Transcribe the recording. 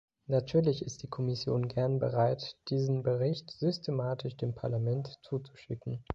Natürlich ist die Kommission gern bereit, diesen Bericht systematisch dem Parlament zuzuschicken.